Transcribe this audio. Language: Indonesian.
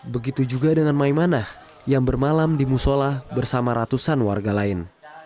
begitu juga dengan maimanah yang bermalam di musola bersama ratusan warga lain